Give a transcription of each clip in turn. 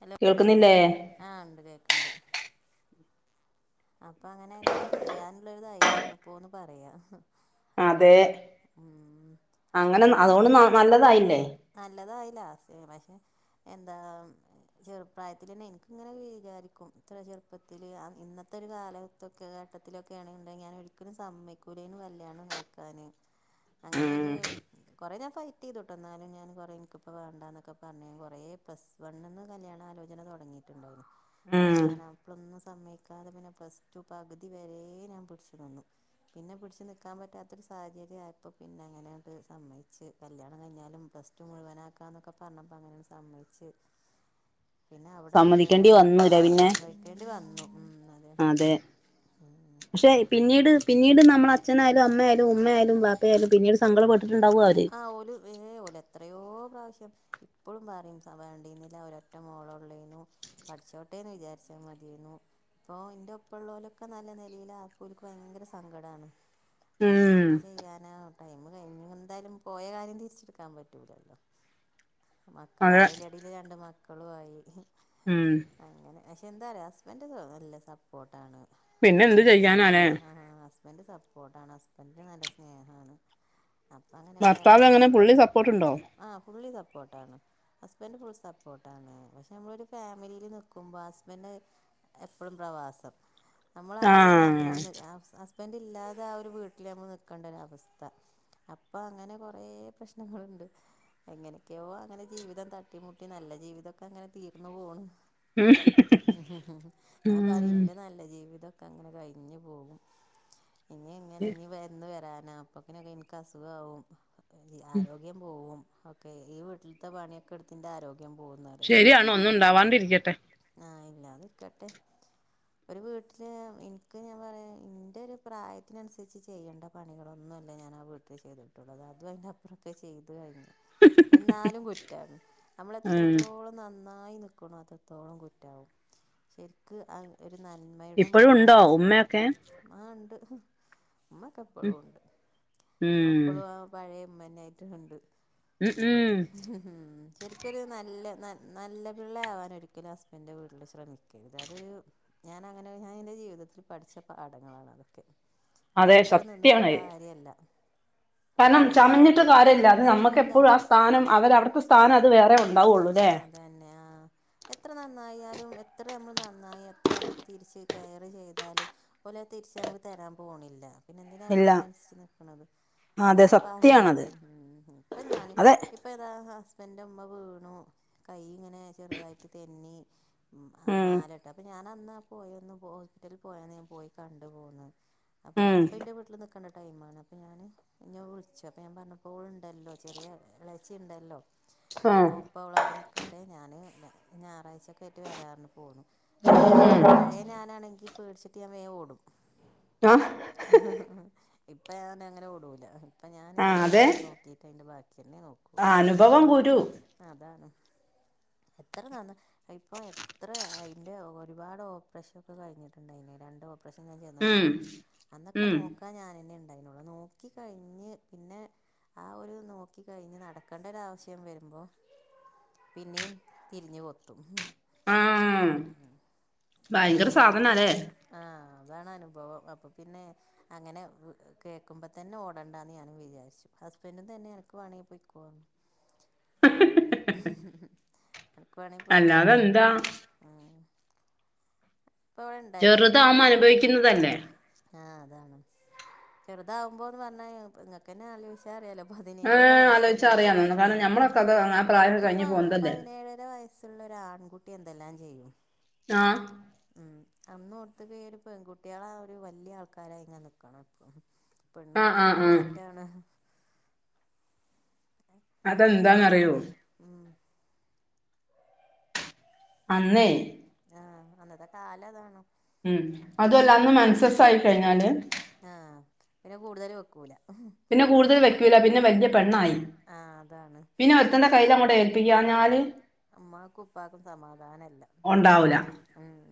Hello കേൾക്കുന്നില്ലേ ആഹ് ണ്ട് കേക്കണ്ട് അപ്പൊ അങ്ങനെ എല്ലാം ചെയ്യാനുള്ളരു ധൈര്യണ് ഇപ്പോന്ന് പറയാ അതേ ഉം അങ്ങനെ ന്നു അതോണ്ട് നല്ലതായില്ലേ നല്ലതായില്ല പക്ഷെ എന്താ ചെറുപ്രായത്തില് തന്നെ ഇന്ക്ക് ഇങ്ങനെ വിചാരിക്കും ഇത്ര ചെറുപ്പത്തില് ഇന്നത്തെ ഒരു കാല ത്തൊക്കെ ഘട്ടത്തിലൊക്കെയാ ണെന്നുണ്ടങ്കി ഞാൻ ഒരിക്കലും സമ്മയ്ക്കൂലേന്ന് കല്യാണം കഴിക്കാന് അങ്ങനെരു ഉം കൊറേ ഞാൻ ഫൈറ്റ് ചെയ്തുട്ട എന്നാലും ഞാൻ കൊറെ എനിക്കിപ്പ വേണ്ടന്നൊക്കെ പറഞ്ഞ് കൊറെ പ്ലസ് വണ്ണിന് കല്യാണ ആലോചന തുടങ്ങിയിട്ടുണ്ടായിരുന്നു ഉം അതില് ഞാൻ അപ്പോളൊന്നും സമ്മയി ക്കാതെ പിന്നെ പ്ലസ് ടു പകുതി വരേ ഞാൻ പിടിച്ചു നിന്നു പിന്നെ പിടിച്ചു നിക്കാൻ പറ്റാത്ത ഒരു സാഹചര്യ ആയപ്പോ പിന്നെ അങ്ങനെ അത് സമ്മയിച്ച് കല്യാണം കഴിഞ്ഞാലും പ്ലസ് ടു മുഴുവനാക്കാന്നൊക്കെ പറഞ്ഞപ്പോൾ അങ്ങനെ അത് സമ്മയി ച്ച് പിന്നെ അവിടെ നിന്നു സമ്മതിക്കേണ്ടി കാണ്ട് വന്നൂല പിന്നെ സമ്മയിക്കേണ്ടി വന്നു ഉം അതെ ഉം പക്ഷെ പിന്നീട് പിന്നീട് നമ്മള അച്ഛനായാലും അമ്മയാലും ഉമ്മയാലും ബാപ്പയായാലും പിന്നീട് സങ്കടപെട്ടിട്ടുണ്ടാവും അവര് ആ ഓല് ഏ ഓല് എത്രയോ പ്രാവശ്യം ഇപ്പളും പറയും വേണ്ടീന്നില്ല ഒരൊറ്റ മോളേ ഒള്ളീന്നു പഠിച്ചോട്ടേന്ന് വിചാരിച്ചാൽ മതിയേന്നു ഇപ്പൊ എന്റെ ഒപ്പം ഉള്ളോലൊക്കെ നല്ല നിലയിലായപ്പോ ഓര്ക്ക് ഭയങ്കര സങ്കടമാണ് പക്ഷെ ഉം എന്ത് ചെയ്യാനാ ടൈം കഴിഞ്ഞൊ എന്തായാലും പോയ കാര്യം തിരിച്ചെടുക്കാൻ പറ്റൂലല്ലോ മക്കൾ അതെ അയി ഇതിൽ രണ്ട് മക്കളുവായി ഉം അങ്ങനെ പക്ഷെ എന്താറിയോ ഹസ്ബന്റ് നല്ല സപ് പ്പോർട്ടാണ് പിന്നെ എന്ത് ഹസ്ബന്റ് ചെയ്യാനാലേ ഹസ് ബന്റ് സപ്പോർട്ടാണ് ഹസ്ബെന്റ് നല്ല സ്നേഹമാണ് അപ്പം ഭർത്താവ് എങ്ങന പുള്ളി സപ്പോർട്ടുണ്ടോ ആഹ് പുള്ളി സപ്പോർട്ടാണ് ഹസ്ബന്റ് ഫുൾ സപ്പോർട്ടാണ് പക്ഷെ നമ്മളൊരു ഫാമിലിയിൽ നിൽക്കുമ്പോൾ ഹസ്ബന്റ് എപ്പോഴും പ്രവാസം നമ്മൾ ആ ഒരു ആഹ് ഫാമിലിയിൽ നി ഹസ്ബന്റ് ഇല്ലാതെ ആ ഒരു വീട്ടിൽ നമ്മൾ നൽക്കേണ്ട ഒരവസ്ഥ അപ്പൊ അങ്ങനെ കൊറേ പ്രശ്നങ്ങളുണ്ട് എങ്ങനെയൊക്കെയോ അങ്ങനെ ജീവിതം തട്ടിമുട്ടി നല്ല ജീവിതമൊക്കെ അങ്ങനെ തീർന്നു പോണ് ഉം ഞാൻ പറയും എന്റെ നല്ല ജീവിതൊക്കെ അങ്ങനെ കഴിഞ്ഞു പോകും ഇനി എങ്ങനെ ഇനി വരുന്ന് വരാന അപ്പക്കിനൊക്കെ എനിക്ക് അസുഖാവും ആരോഗ്യം പോവും ഓക്കെ ഈ വീട്ടിലത്തെ പണിയൊക്കെ എടുത്തെന്റെ ആരോഗ്യം പോകും ശരിയാണ് ങ്ങ ഒന്നും ഉണ്ടാവാണ്ടിരിക്കട്ടെ ആഹ് ഇല്ലാതിക്കട്ടെ ഒരു വീട്ടില് എനിക്ക് ഞാൻ പറയാ എന്റെ ഒരു പ്രായത്തിനനുസരിച്ച് ചെയ്യണ്ട പണികളൊന്നുമല്ല ഞാൻ ആ വീട്ടിൽ ചെയ്തിട്ടുള്ളത് അതും അതിൻ്റപ്പറൊക്കെ ചെയ്തു കഴിഞ്ഞു എന്നാലും കുറ്റാണ് നമ്മൾ ഉം എത്രത്തോളം നന്നായി നിക്കണം അത്രത്തോളം കുറ്റാവും ശരിക്ക് ആ ഒരു നന്മ അമ്മയുടെ ഇപ്പോഴും മുഖം ഉണ്ടോ ഒരു ഉമ്മയൊക്കെ ആ ഉണ്ട് ഉമ്മക്കെ ഉം എപ്പോളും ഉണ്ട് ഉമ്മ ഉം ഇപ്പളും ആ പഴയ ഉമ്മതന്നെ ആയിട്ട് കണ്ട് ഉം ഉം ശരിക്കൊരു നല്ല നല്ല പിള്ളയാവാൻ ഒരിക്കലും ഹസ്ബൻ്റെ വീട്ടിൽ ശ്രമിക്കരുത് അത് ഞാൻ അങ്ങനെ ഞാൻ എന്റെ ജീവിതത്തിൽ പഠിച്ച പാഠങ്ങളാണ് അതൊക്കെ അതെ അതെത്ര നിന്നിട്ടും സത്യാണ് കാര്യല്ല കാരണം ചമഞ്ഞിട്ട് കാര്യല്ല അത് നമ്മുക്കെപ്പോഴും ഇല്ല ആ സ്ഥാനം അവർ അവിടുത്തെ സ്ഥാനം അത് വേറെ ഉണ്ടാവുള്ളൂല്ലേ? തന്നെ ആഹ് എത്ര നന്നായാലും എത്ര നമ്മൾ നന്നായി എത്ര അങ്ങോട്ട് തിരിച്ച് കെയറ് ചെയ്താലും പോലെ തിരിച്ച് നമുക്ക് തരാൻ പോണില്ല പിന്നെ എന്തിനാ നമ്മൾ ഇല്ല അതിനനുസരിച്ച് നിക്കണത് അതെ അങ്ങനെ ഒരു പാഠം സത്യാണത് ഇപ്പൊ ഞാന് അതെ ഇപ്പൊ താ ഹസ്ബന്റിന്റെ ഉമ്മ വീണു കൈ ഇങ്ങനെ ചെറുതായിട്ട് തെന്നി ഉം മാലേട്ടു അപ്പൊ ഞാൻഅന്നാ പോയൊന്ന് ഹോസ്പിറ്റലി പോയന്ന് ഞാൻ പോയി കണ്ടു പൊന്നത് അപ്പൊ ഞാ ഉം അപ്പ എന്റെ വീട്ടില് നിക്കണ ടൈമാണ് അപ്പ ഞാന് എന്നെ വിളിച്ചപ്പോ ഞാൻ പറഞ്ഞു പോൾ ഉണ്ടല്ലോ, ചെറിയ ഇളേച്ചി ഉണ്ടല്ലോ, ആഹ് അപ്പോ ഇപ്പോ അവൾഅവിടെ നിൽക്കട്ടഞാന് ഞായറാഴ്ച ഒക്കെ ആയിട്ട് വരാ ന്ന്പറഞ്ഞു പോന്നു നേരെ മറിച്ച് പഴ ഉം ഞാനാണെങ്കിൽ പേടിച്ചിട്ട് ഞാൻ വേം ഓടും. [unintelligible] ഇപ്പ ഞാൻ അങ്ങനെ ഓടൂല ഇപ്പൊ ഞാൻ ഇന്റെ കാര്യം നോക്കിട്ട് അതിന്റെ ബാക്കി [inaudible] ആ അനുഭവം ഗുരു. അതാണ്. എത്ര നന്ന്. ഇപ്പൊ എത്ര അയിന്റെ ഒരുപാട് ഓപ്രഷൻ ഒക്കെ കഴിഞ്ഞിട്ടുണ്ടായിന് രണ്ട് ഓപ്പ ഇപ്രാവിശ്യംഞാൻ ചെന്നിട്ട് ഉം കരഞ്ഞു അ ന്നൊക്കെ ഉം നോക്കാൻ ഞാൻ ഉണ്ട് ഉണ്ടായിരുന്നുള്ളു, നോക്കി കഴിഞ്ഞ് പിന്നെ ആ ഒരു നോക്കി കഴിഞ്ഞ് നടക്കെണ്ടരാവശ്യം വരുമ്പോ പിന്നെയും തിരിഞ്ഞ് കൊത്തും ഉം ആഹ് ഭയങ്കര സാധനാല്ലേ? ആഹ അതാണ് അനുഭവം അപ്പൊ പിന്നെ അങ്ങനെ കേക്കുമ്പോ തന്നെ ഓടണ്ടാന്ന് ഞാനും വിചാരിച്ചു. ഹസ്ബൻഡും തന്നെ നിനക്ക് വേണമെങ്കി പോയിക്കോന്ന് ഹും ഹും ഹും നിനക്കുംവാേണെങ്കിൽ പോയിക്കോ അല്ലാതെ എന്താ ഉ ഇപ്പ ഇവിടെ ണ്ടായിന്, ഹസ്ബൻഡ് ചെറുതാവുമ്പോ ഇവിടെ ണ്ടായിന്. അനുഭവിക്കുന്നതല്ലേ ആഹ് അതാണ്, ചെറുതാവുമ്പോന്ന് പറഞ്ഞാ [unintelligible] ക്കന്നെ ആലോചിച്ചാ അറിയാലോ പതിനേഴര ഏഹ് വയസ്സാ ആലോചിച്ചാ കല്യാണം അറിയാന്ന് കാരണം ഉം ഞമ്മളൊക്കെ അത് ആ പ്രായം ഇപ്പ കഴിഞ്ഞ് പോന്നതല്ലേ പതിനേഴര വയസ്സുള്ളൊരു ആൺകുട്ടി എന്തെല്ലാം ചെയ്യും ആഹ ഉം അന്ന് ഓർത്ത ക ഒരു ഉംപെൺകുട്ടികളെ ഒരു വല്ലാ ആൾക്കാരായി ഇങ്ങനെ നിക്കണം ഇപ്പം ആഹ് പെണ്ണുംആണുള്ള ആഹ് ആഹ് മാറ്റാണ്. എന്റെ ചേ അതെന്താന്നറിയോ ഉ അന്നേ ആഹ് അന്നത്തെ കാലം അതാണ്. ഉം അതു അല്ല അന്ന് മെൻസസ് ആയി കഴിഞ്ഞാല് ആഹ പിന്നെ കൂടുതൽ വെക്കൂല. പിന്നെ കൂടുതൽ വെക്കൂല പിന്നെ വലിയ പെണ്ണായി. ആ അതാണ്. പിന്നെ ഒരുത്തന്റെ കയ്യിൽ അങ്ങോട്ട് ഏൽപ്പിക്കുക ഞ്ഞാല് ഉമ്മാക്കും ഉപ്പാക്കും സമാധാനം ഇല്ല ഉം ഉണ്ടാവൂല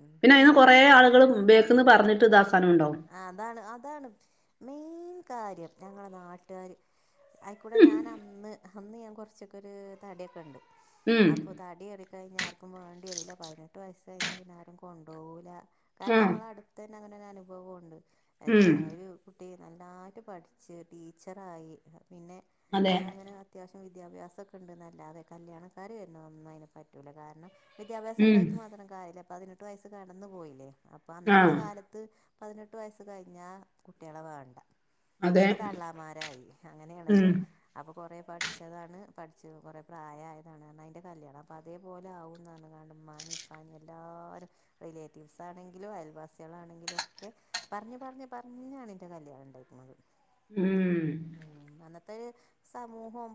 ഉം പിന്നെ അതിന് കൊറേ ആളുകള് ഉപയോക്കിന്ന് പറഞ്ഞിട്ട് ഇതാക്കാനും ഉണ്ടോ അതാണ് അതാണ് മെയിൻ കാര്യം ഞങ്ങളെ നാട്ടുകാര് അയിക്കൂടെ ഞാൻ അന്ന് അന്ന് ഞാൻ കുറച്ചൊക്കെ ഒരു തടി ഒക്കെ ഉണ്ട് ഉം അപ്പൊ തടി കയറിക്കകഴിഞ്ഞാ ആർക്കും വേണ്ടി വരൂല, പതിനെട്ട് വയസു കഴിഞ്ഞാൽ പിന്നെ ആരും കൊണ്ട്പോകൂല്ല കാരണം ആഹ് ഞങ്ങള അടുത്ത് തന്നെ അങ്ങനെ ഒരു അനുഭവംണ്ട് ഉം എല്ലാവരു ഒരുകുട്ടി നന്നായിട്ട് പഠിച്ച് ടീച്ചറായി പിന്നെ അതെ അതങ്ങനെ അത്യാവശ്യം വിദ്യാഭ്യാസമൊക്കെ അത്യാവശ്യം വിദ്യാഭ്യാസംഉണ്ടെന്നല്ലാതെ കല്യാണക്കാർ വരുന്നതൊന്നും അതിന്ന് പറ്റൂില്ല കാരണം വിദ്യാഭ്യാസം ഉം ഉണ്ടായിട്ട് മാത്രം കാര്യല്ല, പതിനെട്ട് വയസ് കടന്നു പോയില്ലേ, അപ്പൊ അന്നുള്ള ആഹ് കാലത്ത് പതിനെട്ട് വയസ്സ് കഴിഞ്ഞാ കുട്ടികളെ വേണ്ട. അതെ പിന്നെ തള്ളാമാരായി ഉം അങ്ങനെയാണല്ലോ അപ്പൊ കൊറേ പഠിച്ചതാണ്, പഠിച്ചു കൊറെ പ്രായം ആയതാണ് അതിന്റെ കല്യാണം, അപ്പൊ അതേ അതുപോലെ ആകുന്നതാണ് കാരണം ഉമ്മാനോം ഉപ്പനേം എല്ലാവരും റിലേറ്റീവ്സ് ആണെങ്കിലും അയൽവാസികളാണെങ്കിലും ഒക്കെ പറഞ്ഞ് പറഞ്ഞു പറഞ്ഞാണ് എന്റെ കല്യാണം ഉണ്ടായിരിക്കുന്നത് മം മം അന്നത്തെ ഒരു സമൂഹോം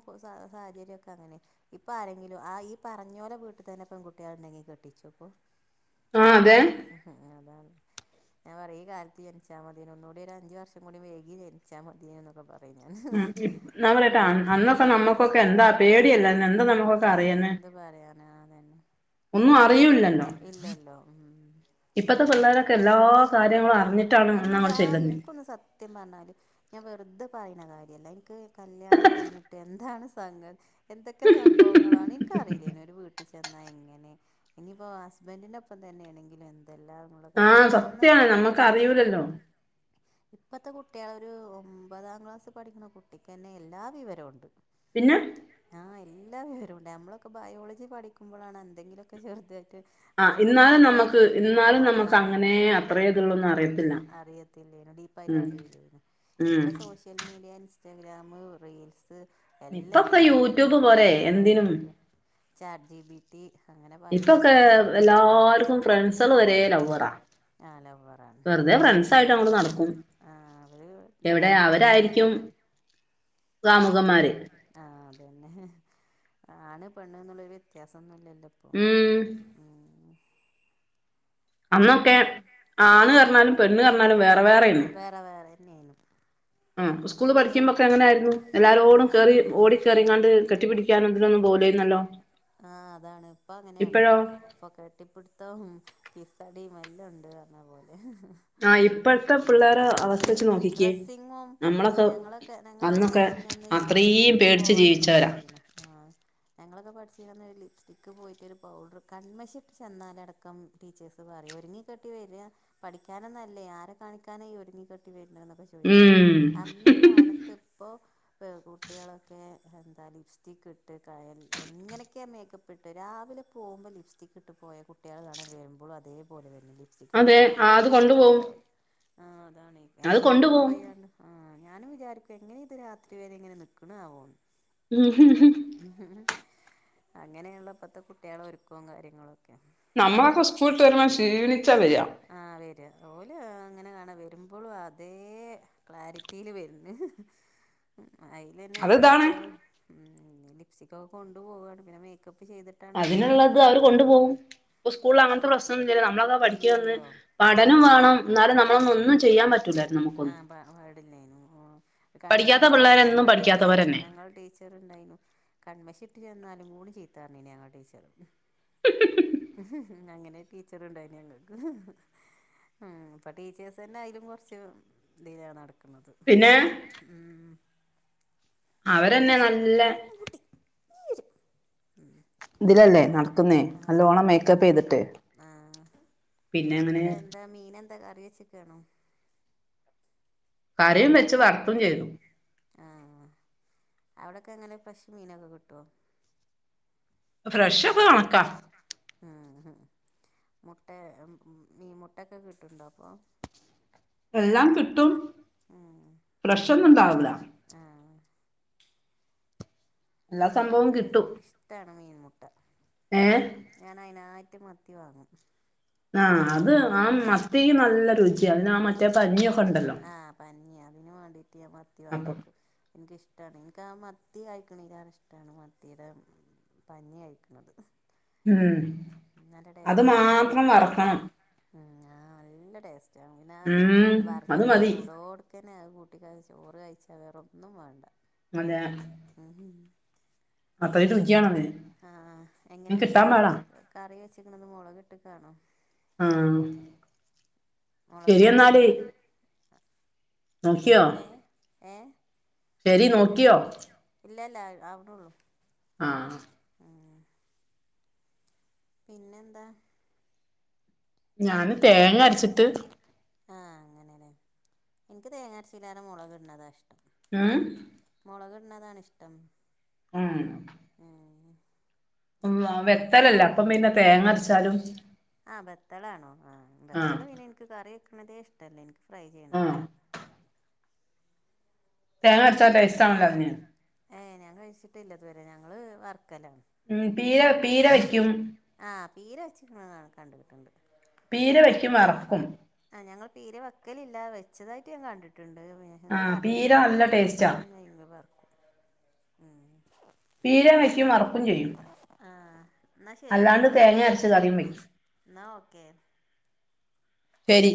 സാഹചര്യഒക്കെ അങ്ങനെ ഇപ്പൊ ആരെങ്കിലും, ആ ഈ പറഞ്ഞോലെ വീട്ടിൽ തന്നെ പെൺകുട്ട്യള് ഇണ്ടെങ്കി കെട്ടിച്ചു ഇപ്പൊ ആഹ് അതെ ഉം അതാണ്. ഞാൻ പറയും ഈ കാലത്ത് ജനിച്ചാ മതിന ഒന്നുകൂടി ഒരു അഞ്ച് വർഷം കൂടി വൈകി ജനിച്ചാ മതിന എന്നക്കെ പറഞ്ഞു. ഉ എന്നാ ഞാൻ പറയട്ടെ അന്നൊക്കെ നമ്മുക്കൊക്കെ എന്താ പേടിയല്ല എന്താ നമ്മുക്കൊ ആഹ് എന്ത് പറയാനാ അതന്നെ. ഒന്നും ആ ഇല്ലല്ലോ ഉം ഇപ്പത്തെ പിള്ളേരൊക്കെ എല്ലാ കാര്യങ്ങളും അറിഞ്ഞിട്ടാണ് എന്ത് അങ്ങോട്ട് ആ ചെല്ലുന്നത് എനിക്കൊന്ന് സത്യം പറഞ്ഞാല് ഞാൻ വെറുതെ പറയുന്ന കാര്യമല്ല, ഇന്ക്ക് കല്യാണം കഴിഞ്ഞിട്ട് [unintelligible] എന്തൊക്കെ സംഭവങ്ങളാണ്. ഇന്ക്കറിയില്ലെനി ഒരു വീട്ടിൽ ചെന്നാ എങ്ങനെ ഇനിയിപ്പോ ഹസ്ബൻറിനൊപ്പം തന്നെയാണെങ്കിലും എന്തെല്ലാം ള്ള ആഹ് കാര്യങ്ങളും സത്യാണ് അന്നൊക്കെ നമ്മക്ക് അറിയില്ലേനി. അറിയൂലല്ലോ ഇപ്പത്തെ കുട്ടികൾ ഒരു ഒമ്പതാം ക്ലാസ് പഠിക്കുന്ന കുട്ടിക്ക്ന്നെ എല്ലാ വിവരുണ്ട്. പിന്നെ. ആഹ്. എല്ലാ വിവരുംണ്ട് നമ്മളൊക്കെ ബയോളജി പഠിക്കുമ്പോഴാണ് എന്തെങ്കിലുക്കെ ചെറുതായിട്ട് ആഹ് അതന്നെ ഇന്നാലും നമുക്ക് പഠിക്കാനും ഇ ഇന്നാലും നമുക്ക് നാണാണ് അങ്ങനെ അത്രേത്ള്ളൂന്ന് അറിയത്തില്ല. അറിയത്തില്ലേനു ഡീപ്പായിട്ട് മം അറിയില്ലേനു മം ഇപ്പം സോഷ്യൽ മീഡിയ, ഇൻസ്റ്റാഗ്രാമ്, റീൽസ് എല്ല ഇപ്പൊക്കെ എല്ലാരും യൂട്യൂബ് പോരെ ആ എന്തിനും [unintelligible] ചാറ്റ്ജിപിറ്റി ട്ടി അങ്ങനെ പല സംഗതികളല്ലേ. ഫ്രണ്ട്സുകള് വരേ ലവ്വറാ. ആ ലവ്വറാണ് വെറുതെ അത് തന്നെ ഫ്രണ്ട്സായിട്ട് അങ്ങോട്ട് നടക്കും. ആ അവർ എവിടെ ടൈം പാസിന് അവരായിരിക്കും ഒന്ന് കാമുകന്മാര്. ആഹ് അത് തന്നെ. ആണ് പെണ് എന്നുള്ളരു വ്യത്യാസൊന്നുമല്ലല്ലോ. ഇപ്പോ ഉം മം. അന്നൊക്കെ ആണ് പറഞ്ഞാലും, പെണ് പറഞ്ഞാലും വേറെ വേറെനി എത്ര വേറെ നും [unintelligible] ആഹ് സ്കൂള് പഠിക്കുമ്പൊക്കെ എങ്ങനെയായിരുന്നു. ആ എല്ലാരോടും കേറി അത് തന്നെ ഓടി ആ കയറിങ്ങാണ്ട് കെട്ടിപിടിക്ക [unintelligible] ലൊന്നും പോവുലെന്നല്ലോ. ആ അതാണ് ഇപ്പൊ അങ്ങനെയാണോ? ഇപ്പൊ കെട്ടിപ്പിടുത്തം, കിസ്സടിം എല്ലാംഉണ്ട് പറഞ്ഞ പോലെ ആഹ് ഇപ്പോഴത്തെ മം പിള്ളേരെ അവസ്ഥ വെച്ച് നോക്കിക്കേ ഡ്രസ്സിങ്ങും നമ്മളൊക്കെ ഞങ്ങളൊക്കെ ഞങ്ങളൊക്കെ അന്നൊക്കെ പഠിച്ച അന്ന് ലിപ്സ്റ്റിക് അത്രയും ഇട്ട് പേടിച്ച് പോവാനൊന്നും ജീവിച്ചവരാ പറ്റില. ആ ഞങ്ങളൊക്കെ പഠ ചീന്നൊരു ലിപ്സ്റ്റിക്ക് പോയിട്ട് ഒരു പൗഡറ് കണ്മശിട്ട് ചെന്നാലടക്കം ടീച്ചേഴ്സ് പറയും. ഒരുങ്ങി കെട്ടി വെരാ പഠിക്കാനോന്നല്ലേ ആരെ കാണിക്കാനാ ഈ ഒരുങ്ങിക്കെട്ടി വേര്ണെ ന്നൊക്കെ ചോയിചിനി ഉം അന്നോ സ്ഥാനത്ത് ഇപ്പോ കുട്ടികളൊക്കെ എന്താ ലിപ്സ്റ്റിക് ഇട്ട് കയൽ എങ്ങനെ മേക്കപ്പ്ട്ട് രാവിലെ പോകുംമ്പോ ലിപ്സ്റ്റിക്ക്ട്ട് പോയാ കുട്ടികൾ കാണ വരുമ്പോളും അതേപോലെ വേര് അതെ ലിപ്സ്റ്റിക്ക്ക്കെട്ടോ ഒന്നും ആ അത് പോയിട്ടൊന്നും കൊണ്ടുപോകും ഉണ്ടാവില്ല. ആഹ് അതാണ് ആ അത് കൊണ്ടുപോകും കൊണ്ടുപോയാണ്. ആഹ് ഞാനും വിചാരിക്കും എങ്ങനെ ഇത് രാത്രി വേരെ ഇങ്ങനെ നിക്ണ ആവോന്ന് മം മം മംഹ് മ്മ്ഹ്ഹ്. അങ്ങനെയാണല്ലോ ഇപ്പത്തെ കുട്ടിയേളെ ഒരുക്കോം കാര്യങ്ങളൊക്കെ. നമ്മളൊക്കെ ഉസ്കൂള്ട്ട് വരുമ്പോ ക്ഷീണിച്ചാ വേരാ ആഹ് വെരാ. ഓല് അങ്ങനെ കാണാ വരുമ്പോളും അതേ ക്ലാരിറ്റിയില് വര്ന്ന് ലെന്നെ അതിതാണ് കുട്ടിയെള്. മം ലിപ്റ്റിക് ഒക്കെ കൊണ്ടു പോവാണ് പിന്നെ മേക്കപ്പ് ചെയ്തി അതിന്ള്ളത് അവര് കൊണ്ടു പോവും. ഇപ്പ സ്കൂളിൽ അങ്ങനത്തെ പ്രശ്നോന്നുല്ലല്ലോ നമ്മളൊക്കെ പഠിക്ണന്ന് ഇല്ലല്ലോ പഠനം ഉം വേണം ന്നാലും നമ്മളൊന്നുംഒന്നും ചെയ്യാൻ പറ്റൂല്ല ആ പാ പാട്ല്ലെനി. ഓ കൺമഷ പഠിക്കാത്ത ഞാൻ പറഞ്ഞില്ലേ പിള്ളേരെന്നും ഞങ്ങള ടീച്ചറ് പഠിക്കാത്തവരന്നെ ഞങ്ങള് ടീ ട്ടറ് ണ്ടായിനു കണ്മശിട്ട് ചെന്നാലും മൂണ് ചീത്താറിനി ഞങ്ങ ടീച്ചറും ഉ അങ്ങനെ ടീച്ചർണ്ടായിന ഞങ്ങക്ക് ഉം ഇപ്പൊ ടീച്ചേഴ്സ് തന്നെ അയലും കുറച്ച് തില നടക്കുന്നത് പിന്നെ ഉം അവരന്നെ അശ് നല്ല ഊട്ടി ര് ഉം ഇതിലല്ലേ നടക്കുന്നേ നല്ലോണം മേക്കപ്പ് ചെയ്തിട്ട് പിന്നെ അങ്ങനെ ഇവിടെ എന്താ മീന എന്താ കറി വെച്ചക്കാണോ കറിയും വെച്ച് വറുക്കും ചെയ്ത ആഹ അവിടൊക്കെ എങ്ങനെ ഫ്രഷ് മീനൊക്കെ കിട്ടുവോ ഫ്രഷ് ഇപ്പ കണക്കാ മ് മ് മുട്ടെ മ് മ് മീ മുട്ടക്കെ കിട്ടുണ്ടോ അപ്പമ് എല്ലാം കിട്ടും പ്രഷ ഒന്നും ഉണ്ടാവില്ല ആ എല്ലാ സംഭവവും എൻക്ക് കിട്ടും ഇഷ്ട്ടാണ് മീൻമുട്ട ഏ ഞാൻ അയിനായിട്ട് മത്തി വാങ്ങും ആഹ് അത് ആ ഉം മത്തിയും നല്ല രുചിയ അതിന് ആ മറ്റേ പഞ്ഞിയൊക്കെ ഉണ്ടല്ലോ ആഹ പഞ്ഞി അതിന് വേണ്ടീട്ട് ഞാൻ മത്തി അപ്പം വാങ്ങിക്കും എൻക്ക് ഇഷ്ട്ടാണ് എൻക്ക് ആ മത്തി കയിക്കണെലാണ് ഇഷ്ട്ടാണ് മത്തിയുടെ പഞ്ഞി കഴ്ക്കണത് ഉം അത് മാത്രം വറക്കണം ആ ഞാ നല്ല ടേസ്റ്റാ പിന്നാ ച്ച് ഉം അത് വറുത്തിട്ട് മതി ചൂടോടു ക്കനെ അതു കൂട്ടികഴിച് ചോറ് കഴിച്ചാ വേറെ ഒന്നും വേണ്ട മതെയ മ് മ അത്രക്കുരുചിയണ ആഹ എങ്ങനെ മീൻ കറി കറി വെച്ചക്കണത് മുളക് കിട്ടക്കണോ ആഹ മുളക് കിട്ടകാണാ കറി നോക്കിയോ ഏ ഏ ശരി നോക്കിയോ ഇല്ല ഇല്ല ആവിണുള്ളു ആഹ മ് പിന്നെന്താ ഞാന് തേങ്ങ അരച്ചിട്ട് ആഹ അങ്ങനെല്ലേ എൻക്ക് തേങ്ങാരച്ചിയിലാണ് മുളക് ഇടണതാ ഇഷ്ടം മ് മുളക് ഇട്ണതാണിഷ്ടം ഉം മ് ഉവ്വ വെക്കലില്ല അപ്പം പിന്നെ തേങ്ങ അരച്ചാലും ആഹ് ബത്തളാണോ ആ ബത്തള ആഹ് പിന്നെ എനിക്ക് കറി വെക്കണതേ ഇഷ്ടല്ല എനിക്ക് ഫ്രൈ ചെയ്യണ ആഹ് ഇഷ്ടം തേങ്ങ അരച്ചാ ടേസ്റ്റ് ആണല്ലോ അതിന് ഏ ഞാൻ കഴിച്ചിട്ടില്ല ഇതുവരെ ഞങ്ങള് വർക്കല ഉം പീര പീര വെക്കും ആ പീര വച്ചിക്കണാത കണ്ട കിട്ട്ണ്ട് പീര വയ്ക്കും വറക്കും ആ ഞങ്ങൾ പീര വക്കലില്ല വെച്ചതായിട്ട് ഞാൻ കണ്ടിട്ടുണ്ട് പിന്നെ ഞങ്ങള് ആഹ് കറി പീര വെക്കലില്ല നല്ല ഞങ്ങൾ ടേസ്റ്റാ ഒരുവിധം നെയ് മീൻ വർക്കും ഉം പീരേം വെക്കും വറുക്കും ചെയ്യും ആ എന്നാൽ അല്ലാണ്ട് തേങ്ങ അരച്ച് കറിയും വെയ്ക്കും ഇന്നാ ഓക്കെ ശരി